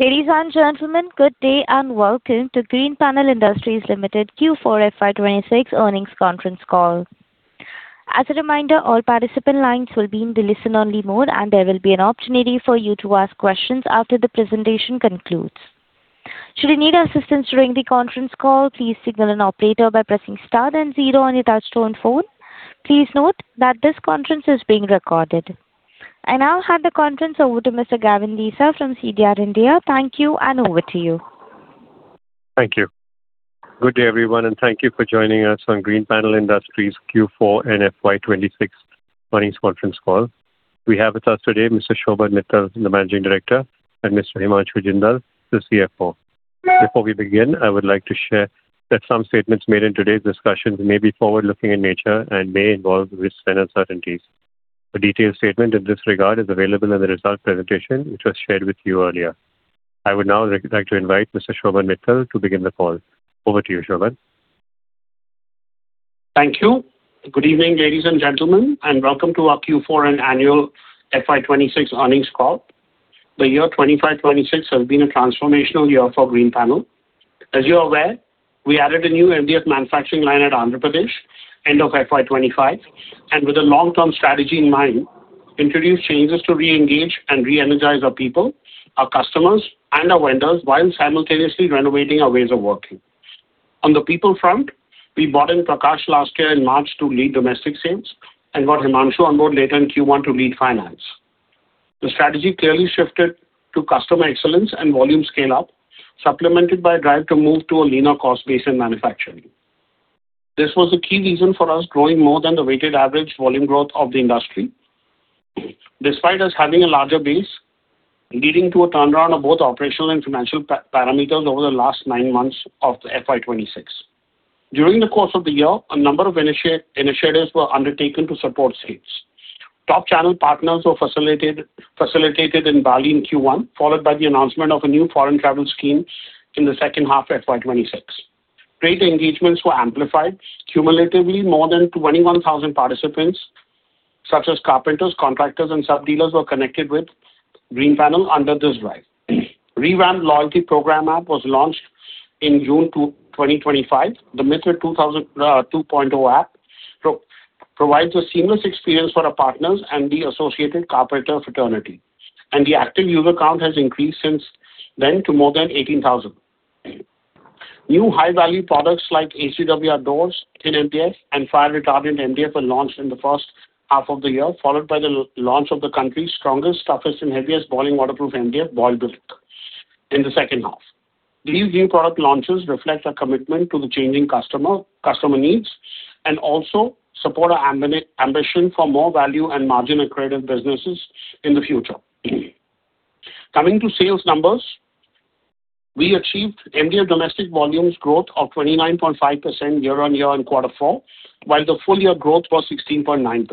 Ladies and gentlemen, good day, and welcome to Greenpanel Industries Limited Q4 FY 2026 earnings conference call. As a reminder, all participant lines will be in the listen-only mode, and there will be an opportunity for you to ask questions after the presentation concludes. Should you need assistance during the conference call, please signal an operator by pressing star then zero on your touchtone phone. Please note that this conference is being recorded. I now hand the conference over to Mr. Gaurav Seth from CDR India. Thank you, and over to you. Thank you. Good day, everyone, and thank you for joining us on Greenpanel Industries Q4 and FY 2026 earnings conference call. We have with us today Mr. Shobhan Mittal, the Managing Director, and Mr. Himanshu Jindal, the CFO. Before we begin, I would like to share that some statements made in today's discussions may be forward-looking in nature and may involve risks and uncertainties. A detailed statement in this regard is available in the results presentation, which was shared with you earlier. I would now like to invite Mr. Shobhan Mittal to begin the call. Over to you, Shobhan. Thank you. Good evening, ladies and gentlemen, and welcome to our Q4 and annual FY 2026 earnings call. The year 2025, 2026 has been a transformational year for Greenpanel. As you are aware, we added a new MDF manufacturing line at Andhra Pradesh end of FY 2025, and with a long-term strategy in mind, introduced changes to re-engage and re-energize our people, our customers, and our vendors while simultaneously renovating our ways of working. On the people front, we brought in Prakash last year in March to lead domestic sales and got Himanshu on board later in Q1 to lead finance. The strategy clearly shifted to customer excellence and volume scale-up, supplemented by a drive to move to a leaner cost base in manufacturing. This was the key reason for us growing more than the weighted average volume growth of the industry, despite us having a larger base leading to a turnaround of both operational and financial parameters over the last nine months of FY 2026. During the course of the year, a number of initiatives were undertaken to support sales. Top channel partners were facilitated in Bali in Q1, followed by the announcement of a new foreign travel scheme in the second half of FY 2026. Trade engagements were amplified. Cumulatively, more than 21,000 participants, such as carpenters, contractors, and sub-dealers were connected with Greenpanel under this drive. Revamped loyalty program app was launched in June two, 2025. The Mitra 2.0 app provides a seamless experience for our partners and the associated carpenter fraternity, and the active user count has increased since then to more than 18,000. New high-value products like ACW doors in MDF and Fire Retardant MDF were launched in the first half of the year, followed by the launch of the country's strongest, toughest, and heaviest boiling waterproof MDF, Boil Bric, in the second half. These new product launches reflect our commitment to the changing customer needs and also support our ambition for more value and margin-accretive businesses in the future. Coming to sales numbers, we achieved MDF domestic volumes growth of 29.5% year-on-year in Q4, while the full year growth was 16.9%.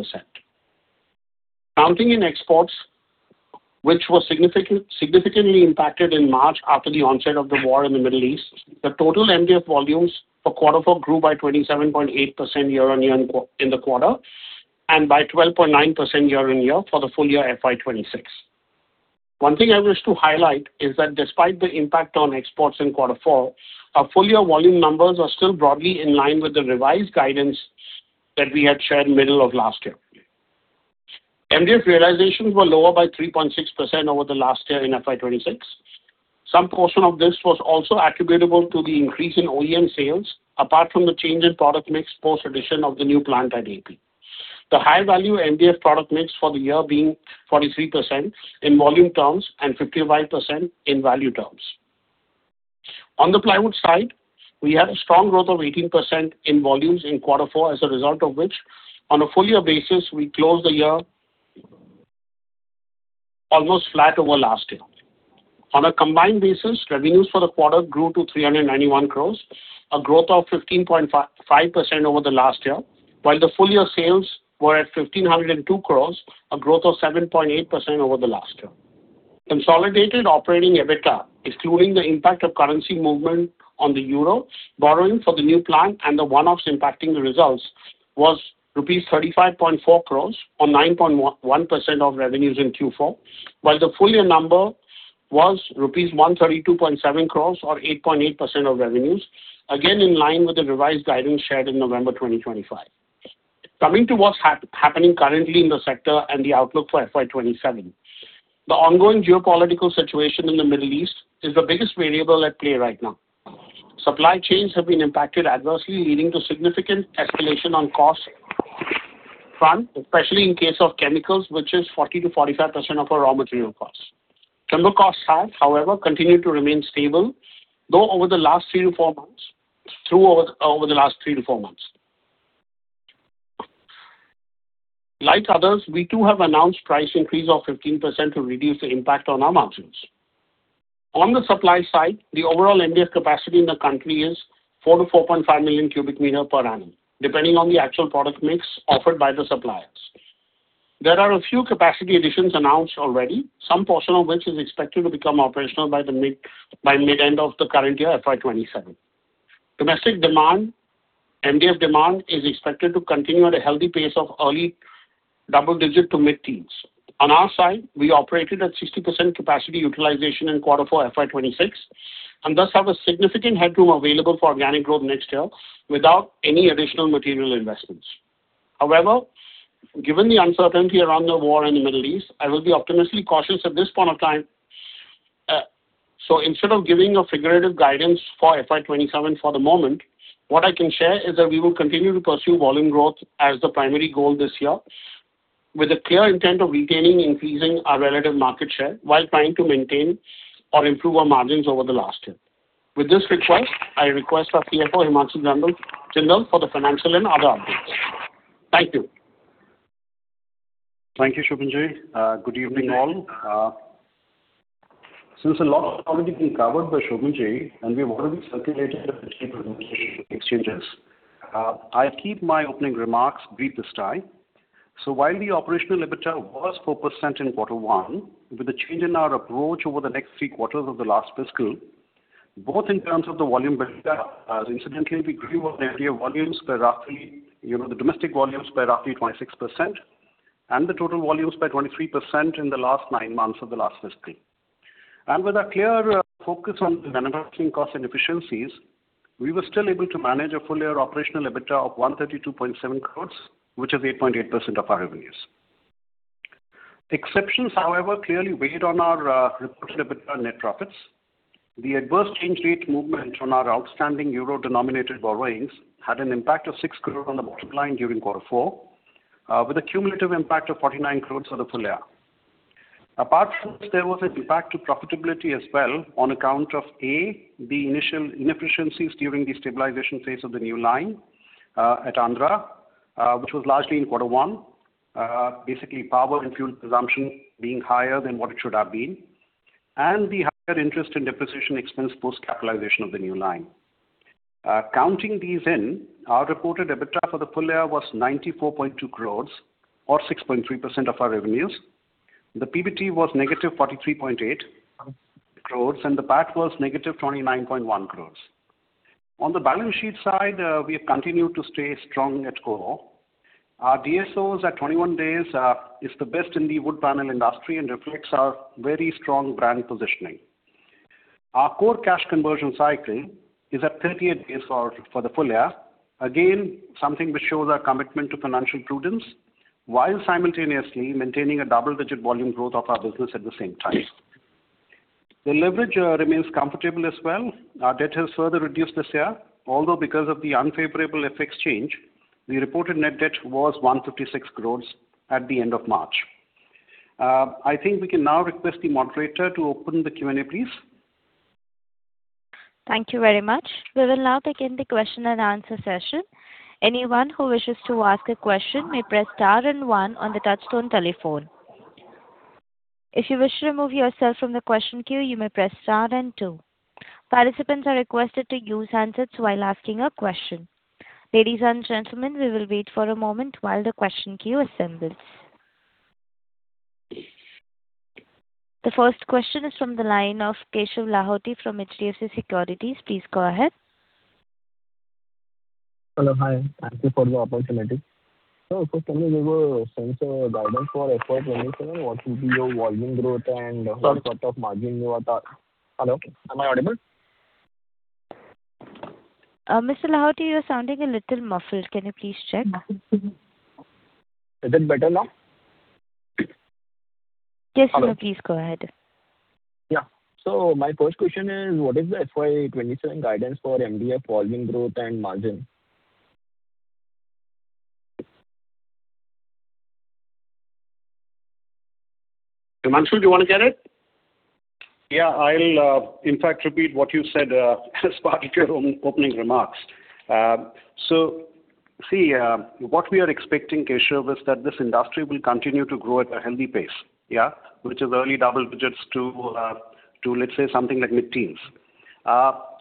Counting in exports, which was significantly impacted in March after the onset of the war in the Middle East, the total MDF volumes for Q4 grew by 27.8% year-on-year in the quarter and by 12.9% year-on-year for the full year FY 2026. One thing I wish to highlight is that despite the impact on exports in quarter four, our full year volume numbers are still broadly in line with the revised guidance that we had shared middle of last year. MDF realizations were lower by three point six percent over the last year in FY 2026. Some portion of this was also attributable to the increase in OEM sales, apart from the change in product mix post addition of the new plant at AP. The high-value MDF product mix for the year being 43% in volume terms and 55% in value terms. On the plywood side, we had a strong growth of 18% in volumes in Q4 as a result of which, on a full year basis, we closed the year almost flat over last year. On a combined basis, revenues for the quarter grew to 391 crores, a growth of 15.5% over the last year, while the full year sales were at 1,502 crores, a growth of seven point eight percent over the last year. Consolidated operating EBITDA, excluding the impact of currency movement on the EUR, borrowing for the new plant, and the one-offs impacting the results was rupees 35.4 crores or nine point one percent of revenues in Q4, while the full year number was rupees 132.7 crores or eight point eight percent of revenues, again in line with the revised guidance shared in November 2025. Coming to what's happening currently in the sector and the outlook for FY27. The ongoing geopolitical situation in the Middle East is the biggest variable at play right now. Supply chains have been impacted adversely, leading to significant escalation on cost front, especially in case of chemicals, which is 40%-45% of our raw material costs. Timber costs have, however, continued to remain stable, though over the last three to four months. Like others, we too have announced price increase of 15% to reduce the impact on our margins. On the supply side, the overall MDF capacity in the country is four to four point five million cubic meter per annum, depending on the actual product mix offered by the suppliers. There are a few capacity additions announced already, some portion of which is expected to become operational by mid-end of the current year, FY 2027. Domestic demand, MDF demand is expected to continue at a healthy pace of early double digit to mid-teens. On our side, we operated at 60% capacity utilization in Q4 FY 2026, thus have a significant headroom available for organic growth next year without any additional material investments. Given the uncertainty around the war in the Middle East, I will be optimistically cautious at this point of time. Instead of giving a figurative guidance for FY 2027 for the moment, what I can share is that we will continue to pursue volume growth as the primary goal this year with a clear intent of retaining, increasing our relative market share while trying to maintain or improve our margins over the last year. With this request, I request our CFO, Himanshu Jindal, for the financial and other updates. Thank you. Thank you, Shobhan Mittal. Good evening all. Since a lot has already been covered by Shobhan Mittal, and we've already circulated exchanges, I'll keep my opening remarks brief this time. While the operational EBITDA was four percent in Q1, with the change in our approach over the next three quarters of the last fiscal, both in terms of the volume as incidentally we grew our India volumes by roughly, you know, the domestic volumes by roughly 26% and the total volumes by 23% in the last nine months of the last fiscal. With a clear focus on manufacturing cost and efficiencies, we were still able to manage a full year operational EBITDA of 132.7 crore, which is eight point eight percent of our revenues. Exceptions, however, clearly weighed on our reported EBITDA net profits. The adverse change rate movement on our outstanding euro-denominated borrowings had an impact of 6 crore on the bottom line during quarter four, with a cumulative impact of 49 crores for the full year. Apart from this, there was an impact to profitability as well on account of A, the initial inefficiencies during the stabilization phase of the new line at Andhra, which was largely in quarter one. Basically power and fuel consumption being higher than what it should have been. The higher interest and depreciation expense post capitalization of the new line. Counting these in, our reported EBITDA for the full year was 94.2 crores or six point three percent of our revenues. The PBT was negative 43.8 crores, and the PAT was negative 29.1 crores. On the balance sheet side, we have continued to stay strong net debt. Our DSOs at 21 days is the best in the wood panel industry and reflects our very strong brand positioning. Our core cash conversion cycle is at 38 days for the full year. Again, something which shows our commitment to financial prudence, while simultaneously maintaining a double-digit volume growth of our business at the same time. The leverage remains comfortable as well. Our debt has further reduced this year. Although because of the unfavorable FX change, the reported net debt was 156 crores at the end of March. I think we can now request the moderator to open the Q&A, please. Thank you very much. The first question is from the line of Keshav Lahoti from HDFC Securities. Please go ahead. Hello. Hi. Thank you for the opportunity. First, can you give a sense or guidance for FY 2027? What would be your volume growth and what sort of margin? Hello, am I audible? Mr. Lahoti, you're sounding a little muffled. Can you please check? Is it better now? Yes, sir. Please go ahead. Yeah. My first question is, what is the FY 2027 guidance for MDF volume growth and margin? Himanshu, do you wanna get it? Yeah. I'll, in fact, repeat what you said as part of your own opening remarks. See, what we are expecting, Keshav, is that this industry will continue to grow at a healthy pace, yeah, which is early double digits to, let's say, something like mid-teens.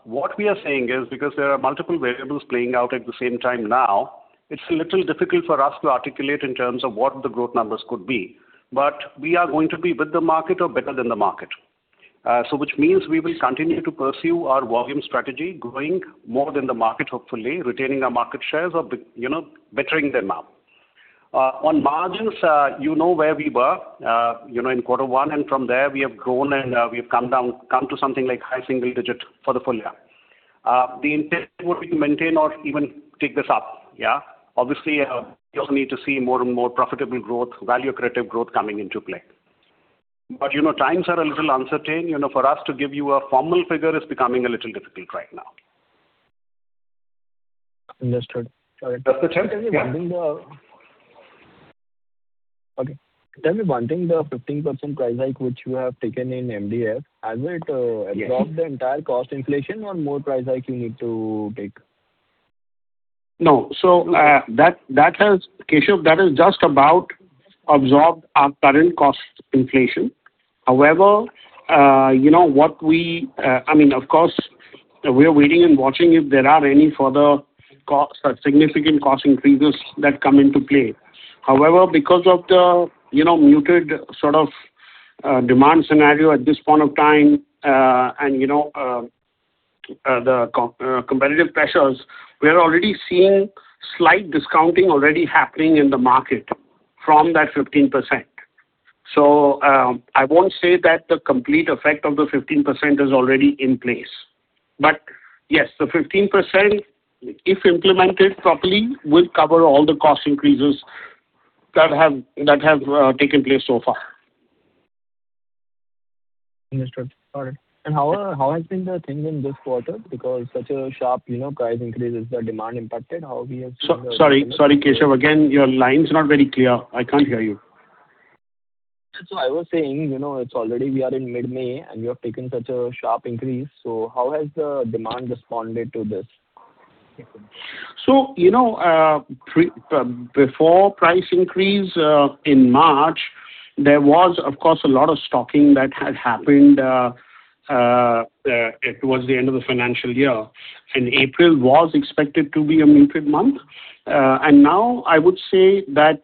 What we are saying is because there are multiple variables playing out at the same time now, it's a little difficult for us to articulate in terms of what the growth numbers could be. We are going to be with the market or better than the market. Which means we will continue to pursue our volume strategy growing more than the market, hopefully retaining our market shares or you know, bettering them now. On margins, you know where we were, you know, in Q1, and from there we have grown, we've come down to something like high single digit for the full year. The intent would be to maintain or even take this up. Obviously, we also need to see more and more profitable growth, value accretive growth coming into play. You know, times are a little uncertain, you know, for us to give you a formal figure is becoming a little difficult right now. Understood. All right. That's the 10th, yeah. Tell me one thing. Okay. Tell me one thing, the 15% price hike which you have taken in MDF, has it? Yes. absorbed the entire cost inflation or more price hike you need to take? No. That has Keshav, that has just about absorbed our current cost inflation. You know I mean, of course, we are waiting and watching if there are any further cost, significant cost increases that come into play. Because of the, you know, muted sort of, demand scenario at this point of time, and, you know, competitive pressures, we are already seeing slight discounting already happening in the market from that 15%. I won't say that the complete effect of the 15% is already in place. The 15%, if implemented properly, will cover all the cost increases that have taken place so far. Understood. Got it. How has been the thing in this quarter? Because such a sharp, you know, price increase, is the demand impacted? Sorry, Keshav. Again, your line's not very clear. I can't hear you. I was saying, you know, it's already we are in mid-May, and you have taken such a sharp increase, so how has the demand responded to this? You know, before price increase in March, there was, of course, a lot of stocking that had happened. It was the end of the financial year, and April was expected to be a muted month. Now I would say that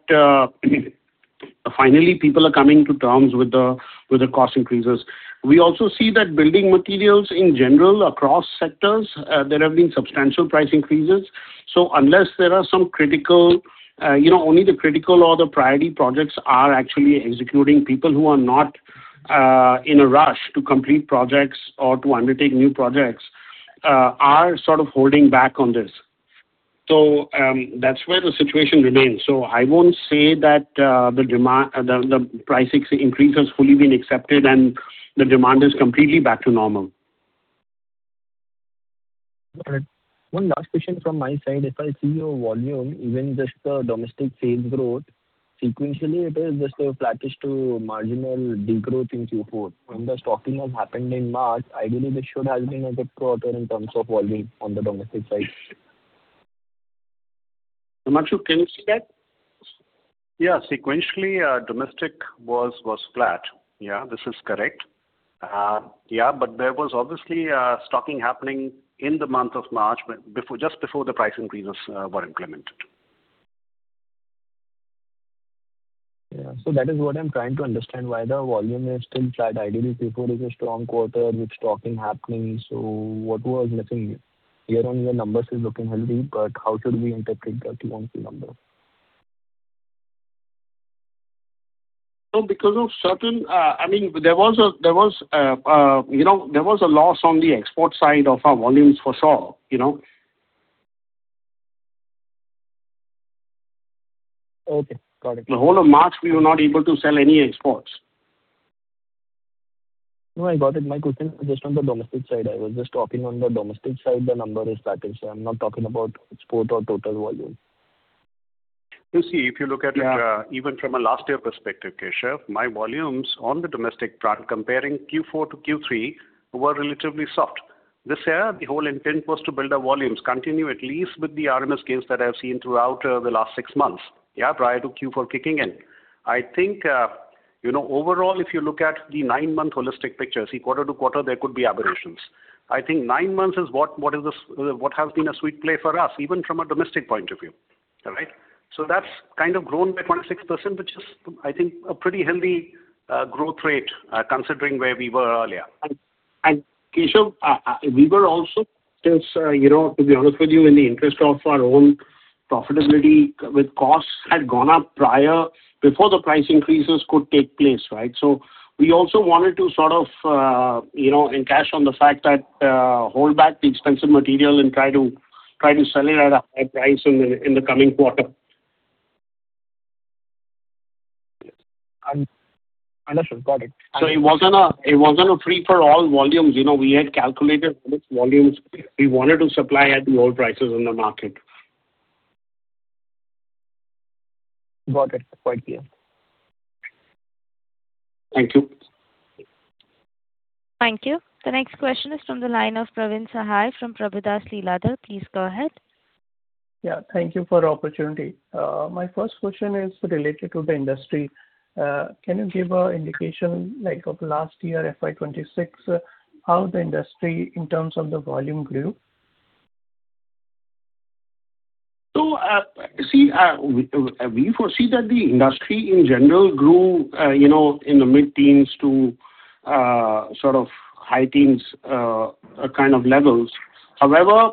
finally people are coming to terms with the cost increases. We also see that building materials in general across sectors, there have been substantial price increases. Unless there are some critical, you know, only the critical or the priority projects are actually executing. People who are not in a rush to complete projects or to undertake new projects are sort of holding back on this. That's where the situation remains. I won't say that the price ex-increase has fully been accepted and the demand is completely back to normal. All right. One last question from my side. If I see your volume, even just the domestic sales growth, sequentially it is just a flattish to marginal decrease in Q4. When the stocking has happened in March, ideally this should have been a good quarter in terms of volume on the domestic side. I'm not sure. Can you say that? Sequentially, domestic was flat. This is correct. There was obviously stocking happening in the month of March before, just before the price increases were implemented. That is what I am trying to understand, why the volume is still flat. Ideally Q4 is a strong quarter with stocking happening. What was missing? Year-over-year numbers is looking healthy, but how should we interpret the quarter-over-quarter number? No, because of certain, I mean, you know, there was a loss on the export side of our volumes for sure, you know. Okay. Got it. The whole of March we were not able to sell any exports. No, I got it. My question was just on the domestic side. I was just talking on the domestic side, the number is flattish. I'm not talking about export or total volume. You see, if you look at it Yeah Even from a last year perspective, Keshav, my volumes on the domestic front comparing Q4 to Q3 were relatively soft. This year the whole intent was to build our volumes, continue at least with the RMS gains that I've seen throughout the last six months prior to Q4 kicking in. I think, you know, overall if you look at the nine-month holistic picture, see quarter to quarter there could be aberrations. I think nine months is what has been a sweet play for us even from a domestic point of view. All right. That's kind of grown by 26%, which is I think a pretty healthy growth rate considering where we were earlier. Keshav, we were also just, you know, to be honest with you, in the interest of our own profitability with costs had gone up prior before the price increases could take place, right? We also wanted to sort of, you know, and cash on the fact that, hold back the expensive material and try to sell it at a high price in the coming quarter. Understood. Got it. It wasn't a free for all volumes. You know, we had calculated which volumes we wanted to supply at the old prices in the market. Got it. Quite clear. Thank you. Thank you. The next question is from the line of Praveen Sahay from Prabhudas Lilladher. Please go ahead. Yeah. Thank you for the opportunity. My first question is related to the industry. Can you give an indication like of last year, FY 2026, how the industry in terms of the volume grew? See, we foresee that the industry in general grew, you know, in the mid-teens to sort of high teens kind of levels. However,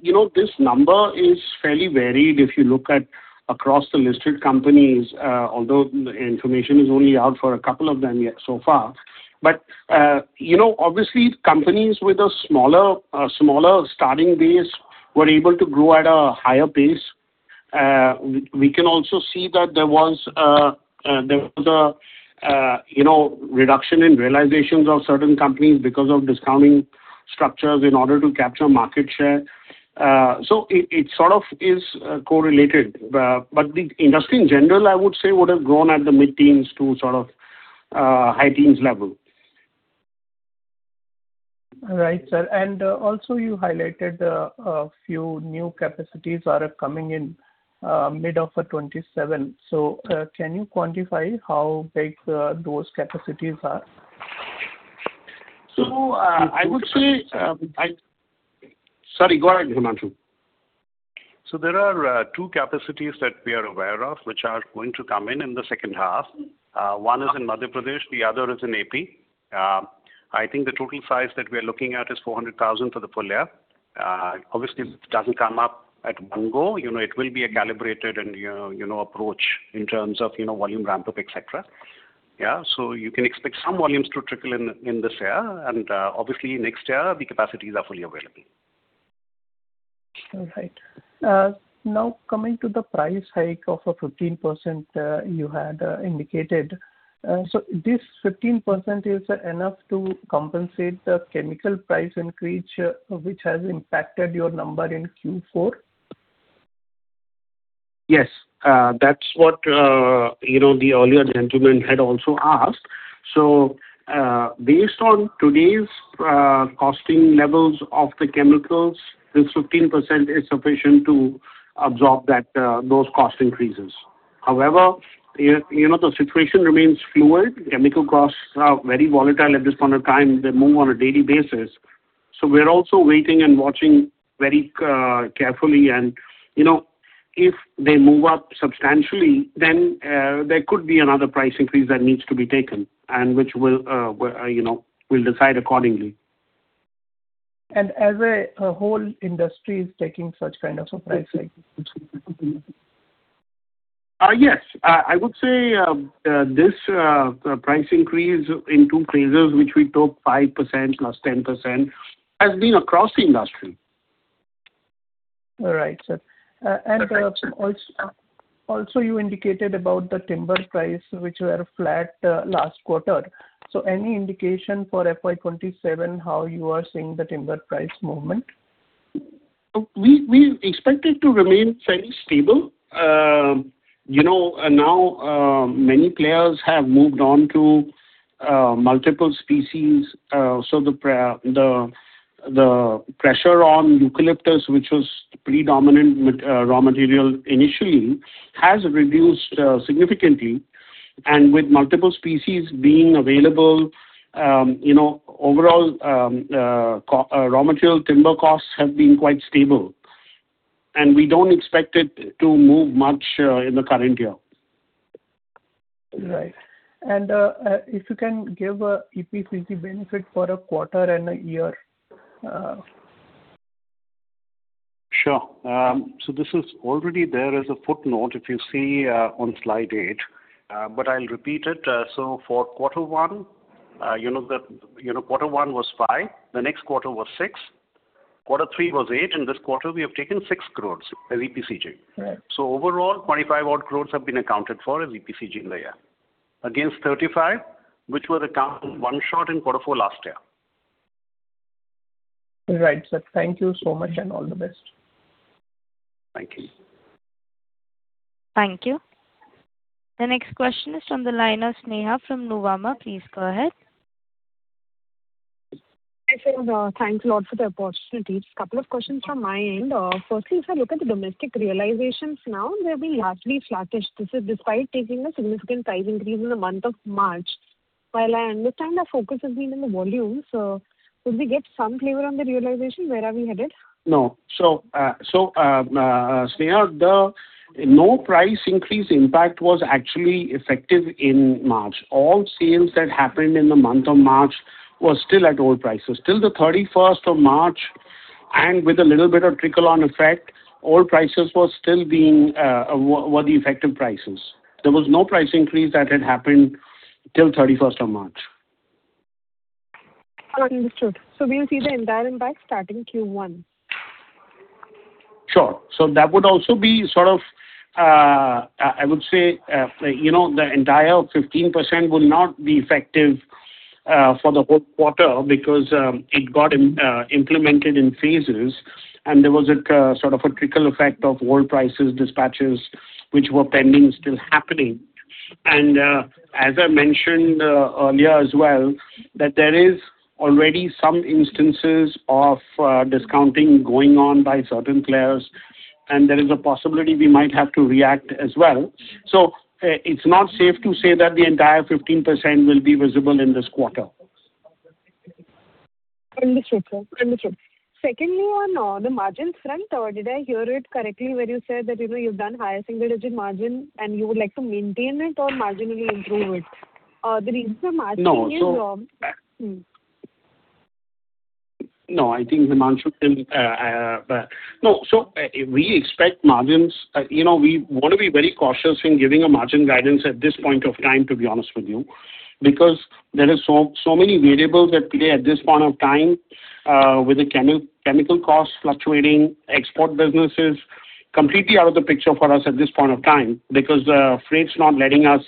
you know, this number is fairly varied if you look at across the listed companies, although information is only out for a couple of them yet so far. You know, obviously companies with a smaller starting base were able to grow at a higher pace. We can also see that there was a, you know, reduction in realizations of certain companies because of discounting structures in order to capture market share. It, it sort of is correlated. The industry in general, I would say, would have grown at the mid-teens to sort of high teens level. All right, sir. Also you highlighted, a few new capacities are coming in, mid of, 2027. Can you quantify how big, those capacities are? Sorry, go ahead, Himanshu. There are two capacities that we are aware of which are going to come in in the second half. One is in Madhya Pradesh, the other is in AP. I think the total size that we are looking at is 400,000 for the full year. Obviously it doesn't come up at one go. You know, it will be a calibrated and, you know, approach in terms of, you know, volume ramp up, et cetera. You can expect some volumes to trickle in in this year and obviously next year the capacities are fully available. All right. Now coming to the price hike of a 15%, you had indicated. This 15%, is that enough to compensate the chemical price increase which has impacted your number in Q4? Yes. That's what, you know, the earlier gentleman had also asked. Based on today's costing levels of the chemicals, this 15% is sufficient to absorb those cost increases. However, you know, the situation remains fluid. Chemical costs are very volatile at this point of time. They move on a daily basis. We're also waiting and watching very carefully. You know, if they move up substantially, then there could be another price increase that needs to be taken and which we'll, you know, decide accordingly. As a whole industry is taking such kind of a price hike. Yes. I would say this price increase in two phases, which we took five percent plus 10%, has been across the industry. All right, sir. Okay. Also you indicated about the timber price which were flat, last quarter. Any indication for FY 2027 how you are seeing the timber price movement? We expect it to remain fairly stable. you know, now, many players have moved on to multiple species. The pressure on eucalyptus, which was predominant raw material initially, has reduced significantly. With multiple species being available, you know, overall, raw material timber costs have been quite stable. We don't expect it to move much in the current year. Right. If you can give a EPCG benefit for a quarter and a year? Sure. This is already there as a footnote if you see, on slide eight. But I'll repeat it. For quarter one, quarter one was 5 crore, the next quarter was 6 crore, quarter three was 8 crore, and this quarter we have taken 6 crore as EPCG. overall, 25 odd crores have been accounted for as EPCG in the year against 35 crores, which were accounted one shot in quarter four last year. Right, sir. Thank you so much and all the best. Thank you. Thank you. The next question is from the line of Sneha from Nuvama. Please go ahead. Hi, sir. Thanks a lot for the opportunity. Just two questions from my end. Firstly, if I look at the domestic realizations now, they're being largely flattish. This is despite taking a significant price increase in the month of March. While I understand the focus has been on the volume, could we get some flavor on the realization where are we headed? No. Sneha, the no price increase impact was actually effective in March. All sales that happened in the month of March was still at old prices. Till the thirty-first of March and with a little bit of trickle on effect, old prices was still being, were the effective prices. There was no price increase that had happened till thirty-first of March. Understood. We'll see the entire impact starting Q1. Sure. That would also be sort of, I would say, you know, the entire 15% will not be effective for the whole quarter because it got implemented in phases and there was a sort of a trickle effect of old prices, dispatches which were pending still happening. As I mentioned earlier as well, that there is already some instances of discounting going on by certain players, and there is a possibility we might have to react as well. It's not safe to say that the entire 15% will be visible in this quarter. Understood, sir. Understood. Secondly, on the margin front, did I hear it correctly when you said that, you know, you've done higher single-digit margin and you would like to maintain it or margin will improve it? The reason I'm asking is, No. No, I think Himanshu can. We expect margins. You know, we want to be very cautious in giving a margin guidance at this point of time, to be honest with you, because there are so many variables at play at this point of time, with the chemical costs fluctuating. Export business is completely out of the picture for us at this point of time because the freight's not letting us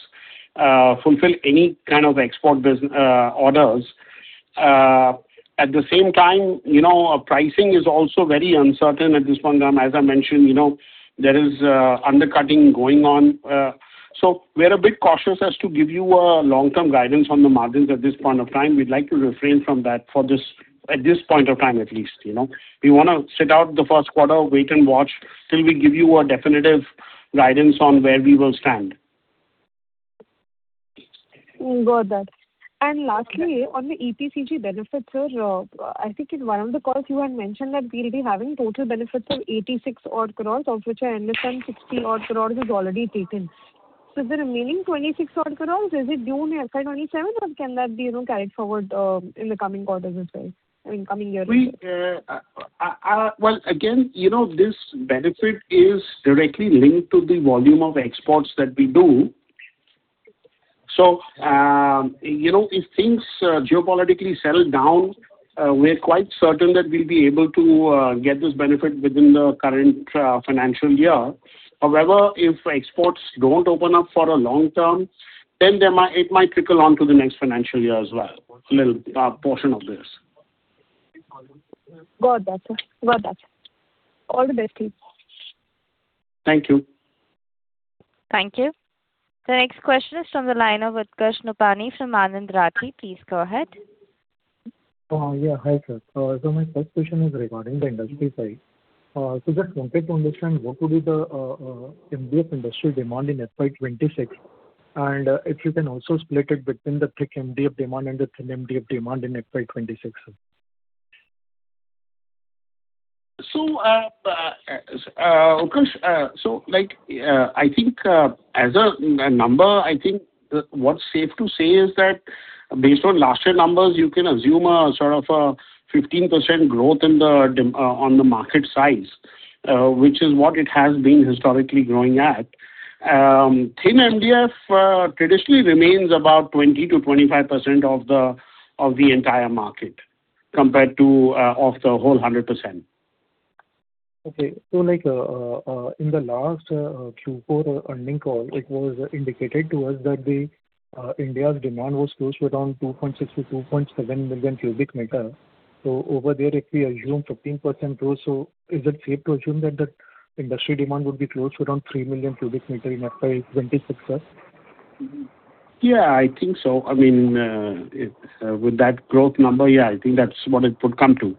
fulfill any kind of export orders. At the same time, you know, pricing is also very uncertain at this point in time. As I mentioned, you know, there is undercutting going on. We're a bit cautious as to give you a long-term guidance on the margins at this point of time. We'd like to refrain from that for this, at this point of time at least, you know. We wanna sit out the first quarter, wait and watch till we give you a definitive guidance on where we will stand. Got that. On the EPCG benefits, sir, I think in one of the calls you had mentioned that we will be having total benefits of 86 odd crores, of which I understand 60 odd crores is already taken. The remaining 26 odd crores, is it due in FY 2027 or can that be, you know, carried forward, I mean, in the coming quarters as well, coming years as well? We, well, again, you know, this benefit is directly linked to the volume of exports that we do. If things geopolitically settle down, we're quite certain that we'll be able to get this benefit within the current financial year. However, if exports don't open up for a long term, then it might trickle on to the next financial year as well, a little portion of this. Got that, sir. Got that. All the best. Thank you. Thank you. The next question is from the line of Utkarsh Nopany from Anand Rathi. Please go ahead. Yeah. Hi, sir. My first question is regarding the industry side. Just wanted to understand what would be the MDF industry demand in FY 2026. If you can also split it between the thick MDF demand and the thin MDF demand in FY 2026. Utkarsh, so, like, I think, as a number, I think, what's safe to say is that based on last year numbers, you can assume a sort of 15% growth on the market size, which is what it has been historically growing at. thin MDF, traditionally remains about 20%-25% of the entire market compared to, of the whole 100%. Okay. Like, in the last Q4 earnings call, it was indicated to us that the India's demand was close to around 2.6 million-2.7 million cubic meter. Over there, if we assume 15% growth, is it safe to assume that the industry demand would be close to around 3 million cubic meter in FY 2026, sir? Yeah, I think so. I mean, it, with that growth number, yeah, I think that's what it would come to.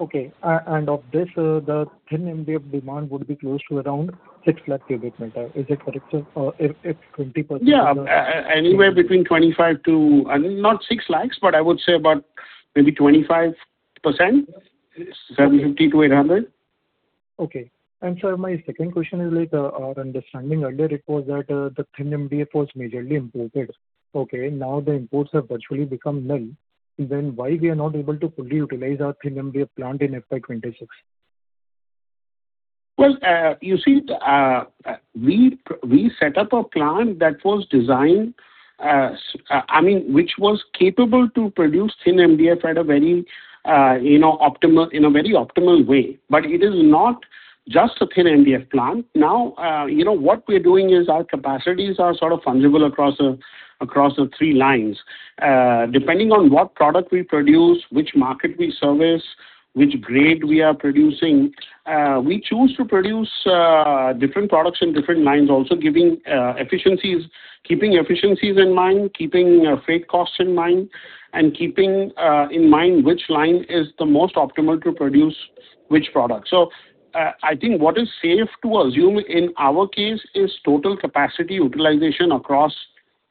Okay. Of this, the thin MDF demand would be close to around 6 lakh cubic meter. Is it correct, sir? Yeah. Anywhere between 25 to I mean, not 6 lakh, but I would say about maybe 25%, 70-800. Okay. Sir, my second question is, like, our understanding earlier it was that, the thin MDF was majorly imported. Okay, now the imports have virtually become null. Why we are not able to fully utilize our thin MDF plant in FY 2026? Well, you see, we set up a plant that was designed, I mean, which was capable to produce thin MDF at a very, you know, optimal, in a very optimal way. It is not just a thin MDF plant. Now, you know, what we're doing is our capacities are sort of fungible across the three lines. Depending on what product we produce, which market we service, which grade we are producing, we choose to produce different products in different lines also giving efficiencies, keeping efficiencies in mind, keeping freight costs in mind, and keeping in mind which line is the most optimal to produce which product. I think what is safe to assume in our case is total capacity utilization across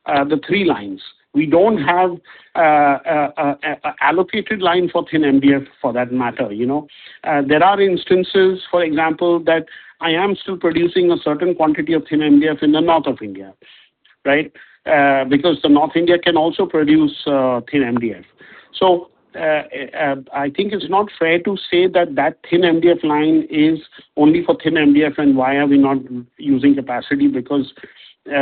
the three lines. We don't have a allocated line for thin MDF for that matter, you know. There are instances, for example, that I am still producing a certain quantity of thin MDF in the north of India, right? Because the north India can also produce thin MDF. I think it's not fair to say that that thin MDF line is only for thin MDF and why are we not using capacity because we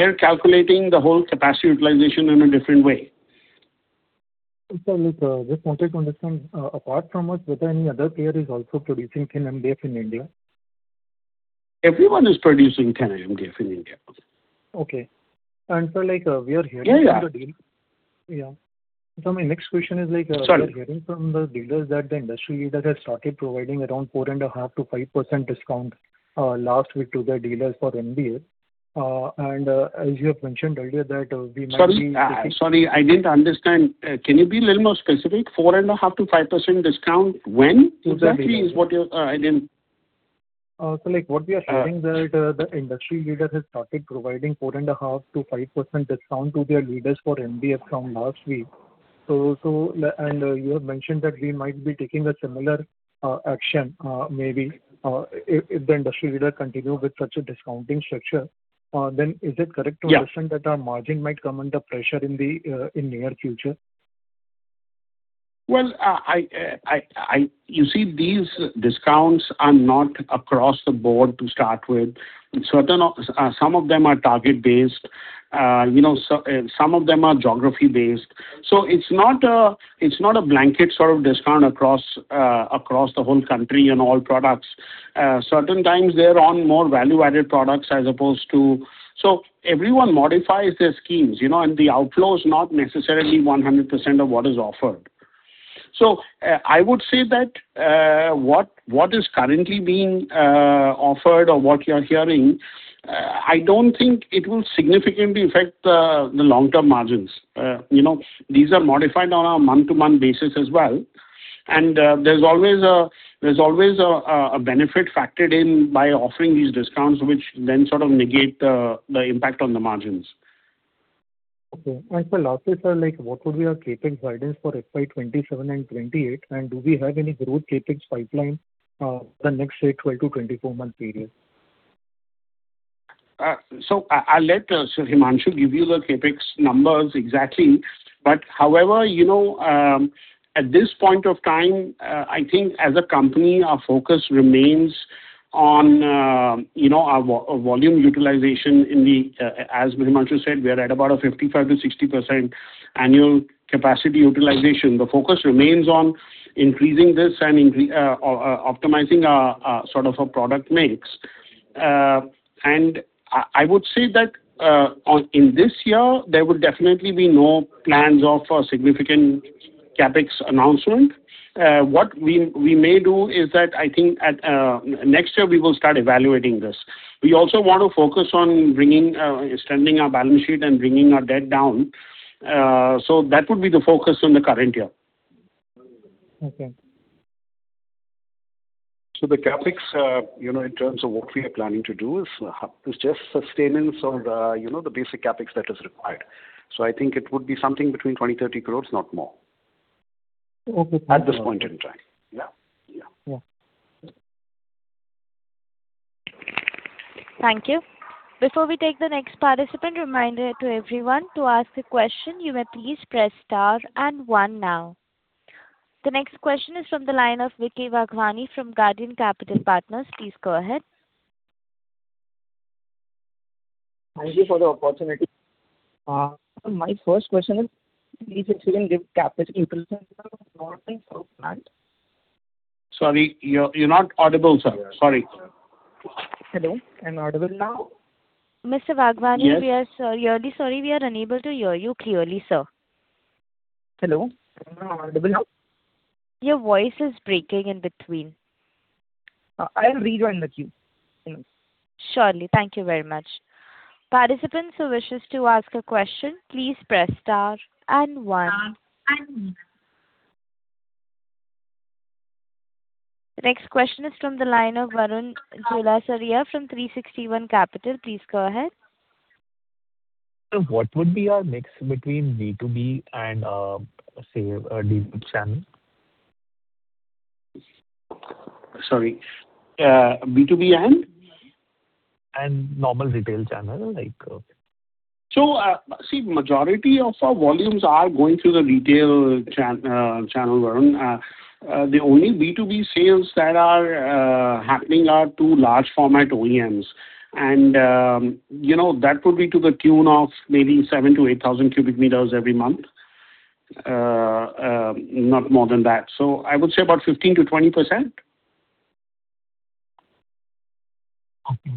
are calculating the whole capacity utilization in a different way. Sir, like, just wanted to understand, apart from us whether any other player is also producing thin MDF in India? Everyone is producing thin MDF in India. Okay. Sir, like, we are hearing from the deal- Yeah, yeah. Yeah. my next question is, like. Sorry. We're hearing from the dealers that the industry leaders have started providing around four and a half to five percent discount, last week to the dealers for MDF. Sorry. Sorry, I didn't understand. Can you be a little more specific? Four and a half to 5% discount when exactly is what you're? What we are hearing that the industry leaders have started providing four and a half to five percent discount to their leaders for MDF from last week. and you have mentioned that we might be taking a similar action, maybe if the industry leader continue with such a discounting structure understand that our margin might come under pressure in the near future? Well, you see, these discounts are not across the board to start with. Certain of them are target based. You know, so, some of them are geography based. It's not a, it's not a blanket sort of discount across the whole country and all products. Certain times they're on more value-added products as opposed to. Everyone modifies their schemes, you know, and the outflow is not necessarily 100% of what is offered. I would say that, what is currently being offered or what you are hearing, I don't think it will significantly affect the long-term margins. You know, these are modified on a month-to-month basis as well. There's always a benefit factored in by offering these discounts, which then sort of negate the impact on the margins. Okay. For lastly, sir, like what would be your CapEx guidance for FY 2027 and 2028, and do we have any growth CapEx pipeline for the next say 12 to 24 month period? So I'll let Himanshu give you the CapEx numbers exactly. However, you know, at this point of time, I think as a company our focus remains on, you know, our volume utilization in the, as Himanshu said, we are at about a 55%-60% annual capacity utilization. The focus remains on increasing this and optimizing our sort of our product mix. And I would say that in this year there will definitely be no plans of a significant CapEx announcement. What we may do is that I think at next year we will start evaluating this. We also want to focus on bringing, strengthening our balance sheet and bringing our debt down. That would be the focus on the current year. Okay. The CapEx, you know, in terms of what we are planning to do is just sustenance of the, you know, the basic CapEx that is required. I think it would be something between 20-30 crores, not more. Okay. At this point in time. Yeah, yeah. Yeah. Thank you. Before we take the next participant, reminder to everyone, to ask a question you may please press star and one now. The next question is from the line of Vicky Waghwani from Guardian Capital Partners. Please go ahead. Thank you for the opportunity. My first question is please give CapEx improvement Sorry, you're not audible, sir. Sorry. Hello. I'm audible now? Mr. Waghwani, we are really sorry we are unable to hear you clearly, sir. Hello. Am I audible now? Your voice is breaking in between. I'll rejoin the queue. Surely. Thank you very much. Participants who wish to ask a question, please press star one. The next question is from the line of Varun Julasaria from 360 ONE Capital. Please go ahead. Sir, what would be your mix between B2B and, say, D channel? Sorry, B2B and? normal retail channel, like. See, majority of our volumes are going through the retail channel, Varun. The only B2B sales that are happening are to large format OEMs. You know, that would be to the tune of maybe 7,000-8,000 cubic meters every month. Not more than that. I would say about 15% to 20%. Okay.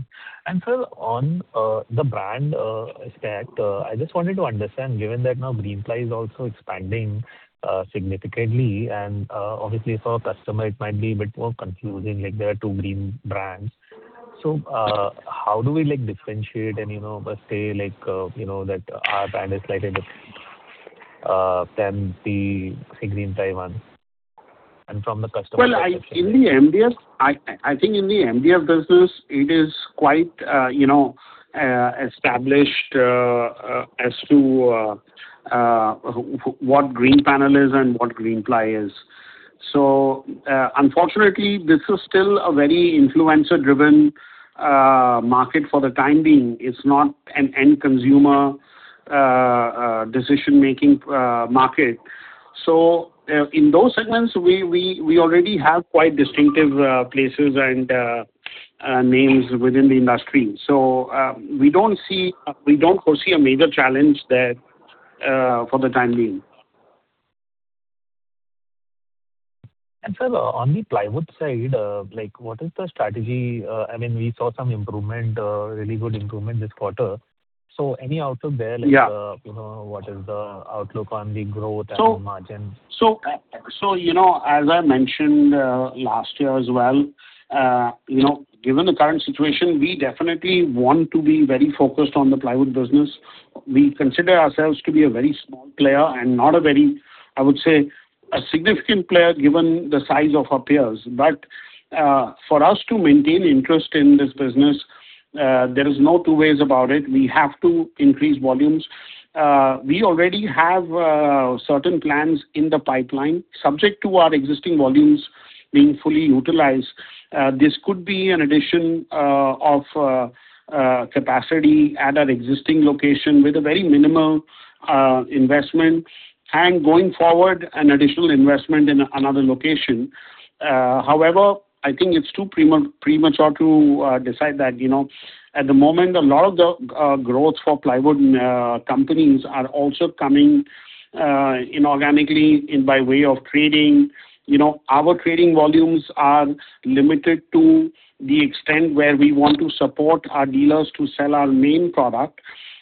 Sir, on the brand stack, I just wanted to understand, given that now Greenply is also expanding significantly and obviously for a customer it might be a bit more confusing, like there are two green brands. How do we like differentiate and, you know, say like, you know, that our brand is slightly different than the, say, Greenply one and from the customer perspective? Well, I, in the MDF, I think in the MDF business it is quite, you know, established as to what Greenpanel is and what Greenply is. Unfortunately, this is still a very influencer driven market for the time being. It's not an end consumer decision-making market. In those segments we already have quite distinctive places and names within the industry. We don't foresee a major challenge there for the time being. Sir, on the plywood side, like what is the strategy? I mean, we saw some improvement, really good improvement this quarter. Any outlook there, like? You know, what is the outlook on the growth and margins? You know, as I mentioned, last year as well, you know, given the current situation, we definitely want to be very focused on the plywood business. We consider ourselves to be a very small player and not a very, I would say, a significant player given the size of our peers. For us to maintain interest in this business, there is no two ways about it, we have to increase volumes. We already have certain plans in the pipeline subject to our existing volumes being fully utilized. This could be an addition of capacity at our existing location with a very minimal investment, and going forward, an additional investment in another location. However, I think it's too premature to decide that, you know. At the moment, a lot of the growth for plywood companies are also coming inorganically in by way of trading. You know, our trading volumes are limited to the extent where we want to support our dealers to sell our main product,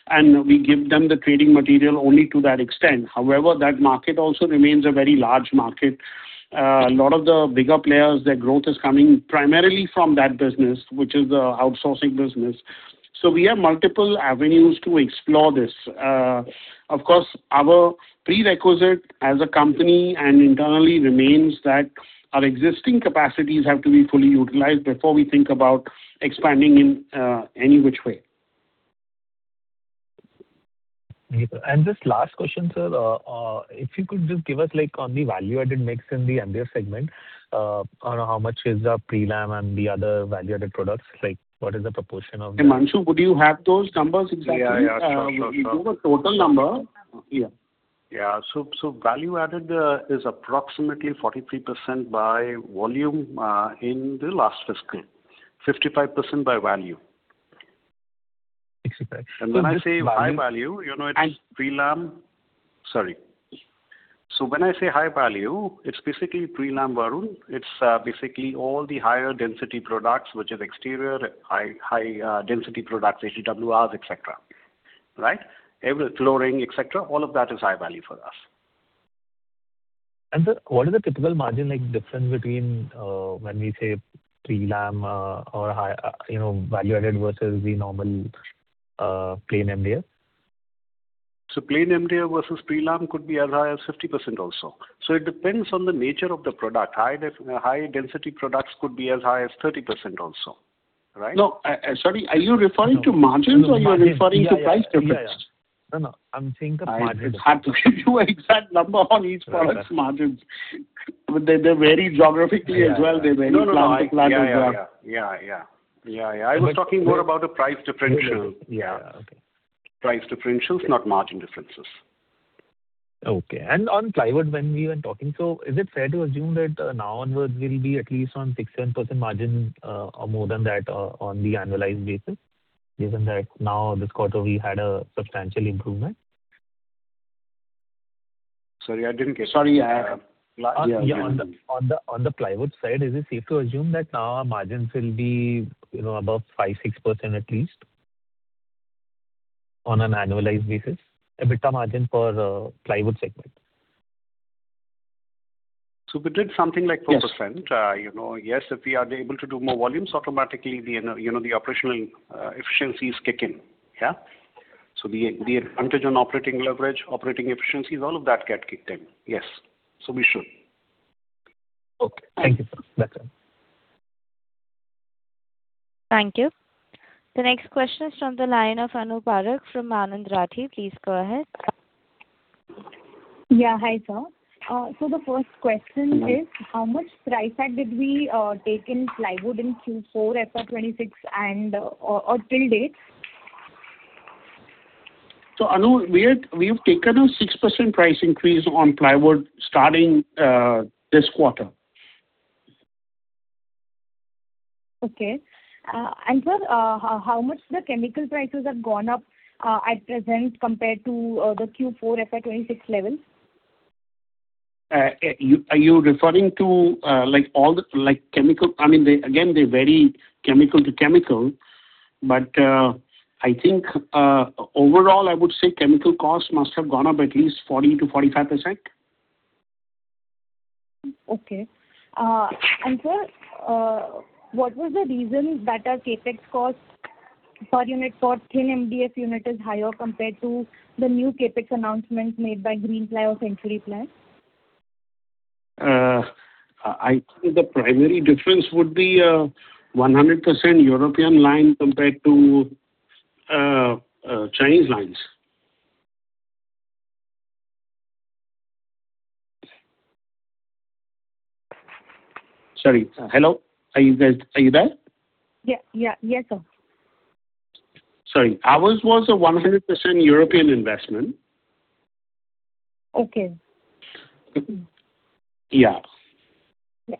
and we give them the trading material only to that extent. However, that market also remains a very large market. A lot of the bigger players, their growth is coming primarily from that business, which is the outsourcing business. We have multiple avenues to explore this. Of course, our prerequisite as a company and internally remains that our existing capacities have to be fully utilized before we think about expanding in any which way. This last question, sir, if you could just give us like on the value-added mix in the MDF segment, on how much is the prelam and the other value-added products, like what is the proportion? Hey, Himanshu, would you have those numbers exactly? Yeah, yeah, sure, sure. You do a total number. Yeah. Yeah. Value added is approximately 43% by volume in the last fiscal. 55% by value. Excellent. When I say high value, you know, it is prelam. Sorry. When I say high value, it's basically prelam Varun. It's basically all the higher density products which is exterior, high density products, HDHMR, et cetera. Right? Every flooring, et cetera, all of that is high value for us. Sir, what is the typical margin like difference between, when we say prelam, or high, you know, value-added versus the normal, plain MDF? Plain MDF versus prelam could be as high as 50% also. It depends on the nature of the product. High density products could be as high as 30% also. Right? No, sorry, are you referring to margins? You're referring to price difference? Yeah, yeah. No, no, I'm thinking of margins. I'd have to give you exact number on each product's margins. They vary geographically as well. They vary plant to plant as well. No, I Yeah. Yeah. Yeah. I was talking more about the price differential. Yeah. Okay. Price differentials, not margin differences. Okay. On plywood when we were talking, is it fair to assume that now onwards we'll be at least on six to seven percent margin or more than that on the annualized basis, given that now this quarter we had a substantial improvement? Sorry, I didn't get you. Sorry, I Yeah. On the plywood side, is it safe to assume that now our margins will be, you know, above five, six percent at least on an annualized basis, EBITDA margin for plywood segment? We did something like four percent. You know, yes, if we are able to do more volumes, automatically the, you know, operational efficiencies kick in. The advantage on operating leverage, operating efficiencies, all of that get kicked in. Yes. We should. Okay. Thank you. That's all. Thank you. The next question is from the line of Anu Parakh from Anand Rathi. Please go ahead. Yeah. Hi, sir. How much price hike did we take in plywood in Q4 FY 2026 and or till date? Anu, we've taken a six percent price increase on plywood starting this quarter. Okay. Sir, how much the chemical prices have gone up at present compared to the Q4 FY 2026 level? Are you referring to like all the, like chemical I mean, they, again, they vary chemical to chemical. I think overall, I would say chemical costs must have gone up at least 40% to 45%. Okay. Sir, what was the reason that our CapEx costs per unit for thin MDF unit is higher compared to the new CapEx announcements made by Greenply or Century? I think the primary difference would be 100% European line compared to Chinese lines. Sorry. Hello? Are you there? Are you there? Yeah, yeah. Yes, sir. Sorry. Ours was a 100% European investment. Okay. Yeah. Yeah.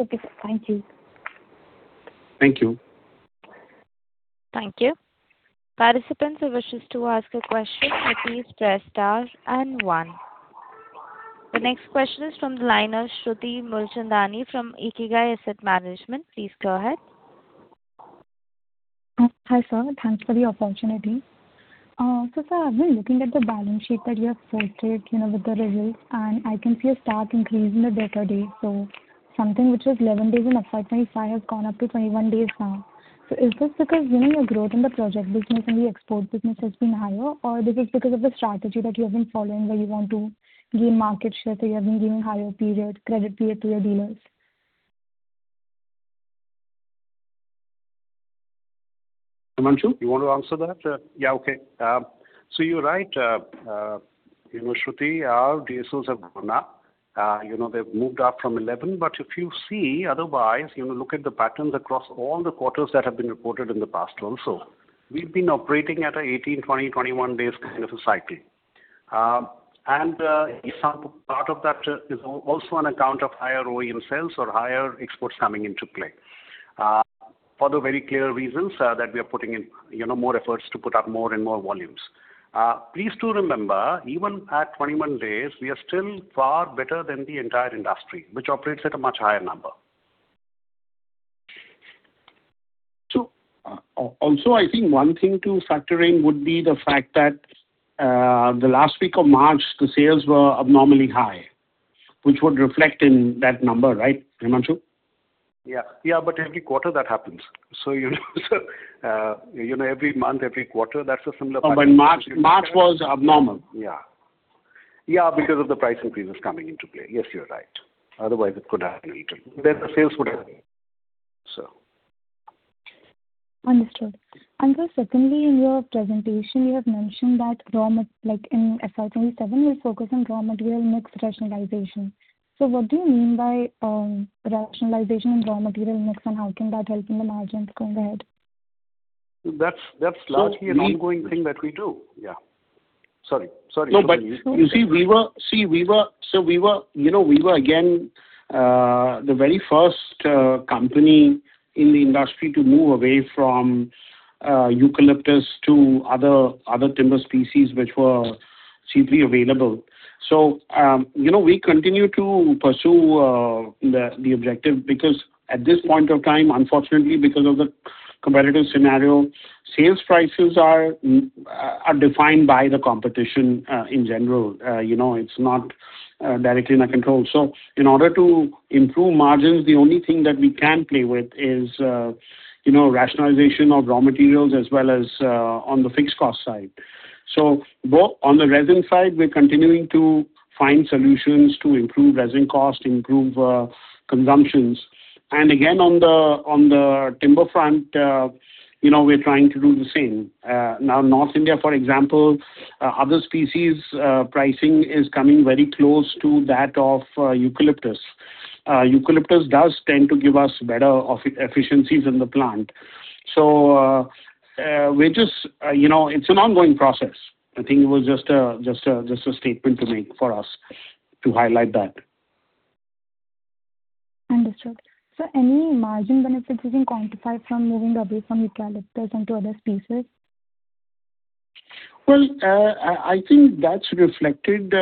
Okay, sir. Thank you. Thank you. Thank you. Participants who wishes to ask a question, please press star and one. The next question is from the line of Shruti Mulchandani from Ikigai Asset Management. Please go ahead. Hi, sir. Thanks for the opportunity. Sir, I've been looking at the balance sheet that you have posted, you know, with the results, and I can see a stark increase in the debtors days. Something which was 11 days in FY 2025 has gone up to 21 days now. Is this because, you know, your growth in the project business and the export business has been higher, or this is because of the strategy that you have been following where you want to gain market share, so you have been giving higher period, credit period to your dealers? Manshu, you want to answer that? Yeah, okay. You're right. You know, Shruti, our DSOs have gone up. You know, they've moved up from 11. If you see otherwise, you know, look at the patterns across all the quarters that have been reported in the past also. We've been operating at a 18, 20, 21 days kind of a cycle. Some part of that is also on account of higher OEM sales or higher exports coming into play for the very clear reasons that we are putting in, you know, more efforts to put up more and more volumes. Please do remember, even at 21 days, we are still far better than the entire industry, which operates at a much higher number. Also I think one thing to factor in would be the fact that, the last week of March, the sales were abnormally high. Which would reflect in that number, right, Himanshu? Yeah. Yeah, every quarter that happens. You know, every month, every quarter, that's a similar pattern. Oh, March was abnormal. Yeah, because of the price increases coming into play. Yes, you're right. Otherwise, it could have been little. Understood. sir, secondly, in your presentation you have mentioned that like in FY 2027, you'll focus on raw material mix rationalization. What do you mean by rationalization in raw material mix, and how can that help in the margins going ahead? That's largely an ongoing thing that we do. Yeah. Sorry. You see, we were, you know, we were again the very first company in the industry to move away from eucalyptus to other timber species which were cheaply available. You know, we continue to pursue the objective because at this point of time, unfortunately because of the competitive scenario, sales prices are defined by the competition in general. You know, it's not directly in our control. In order to improve margins, the only thing that we can play with is, you know, rationalization of raw materials as well as on the fixed cost side. On the resin side, we're continuing to find solutions to improve resin cost, improve consumptions. Again, on the, on the timber front, you know, we're trying to do the same. Now North India, for example, other species, pricing is coming very close to that of eucalyptus. Eucalyptus does tend to give us better efficiencies in the plant. We're just, you know, it's an ongoing process. I think it was just a statement to make for us to highlight that. Understood. Sir, any margin benefits you can quantify from moving away from eucalyptus into other species? Well, I think that's reflected,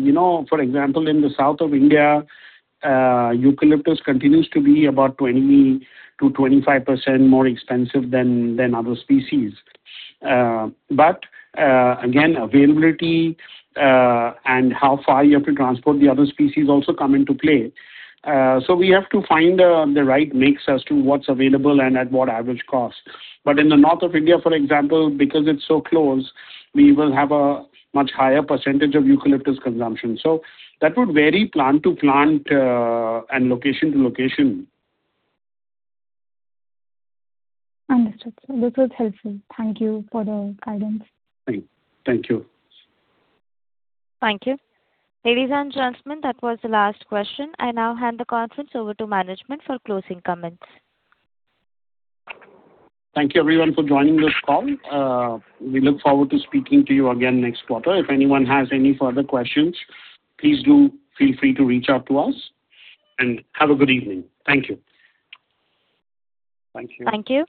you know, for example, in the south of India, eucalyptus continues to be about 20% to 25% more expensive than other species. Again, availability, and how far you have to transport the other species also come into play. We have to find the right mix as to what's available and at what average cost. In the north of India, for example, because it's so close, we will have a much higher percentage of eucalyptus consumption. That would vary plant to plant and location to location. Understood, sir. This was helpful. Thank you for the guidance. Thank you. Thank you. Ladies and gentlemen, that was the last question. I now hand the conference over to management for closing comments. Thank you everyone for joining this call. We look forward to speaking to you again next quarter. If anyone has any further questions, please do feel free to reach out to us. Have a good evening. Thank you. Thank you. Thank you.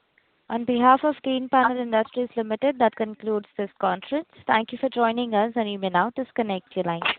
On behalf of Greenpanel Industries Limited, that concludes this conference. Thank you for joining us, and you may now disconnect your lines.